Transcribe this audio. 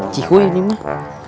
cikgu ini mah